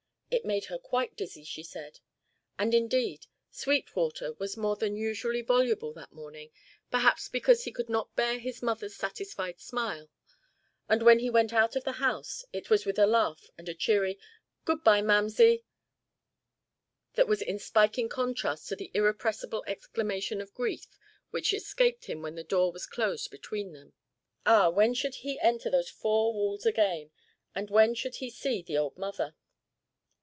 It made her quite dizzy, she said. And, indeed, Sweetwater was more than usually voluble that morning, perhaps because he could not bear his mother's satisfied smile; and when he went out of the house it was with a laugh and a cheery "Good bye, mamsie" that was in spiking contrast to the irrepressible exclamation of grief which escaped him when the door was closed between them. Ah, when should he enter those four walls again, and when should he see the old mother?